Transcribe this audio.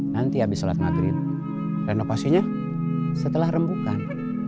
nanti habis sholat maghrib renovasinya setelah rembukan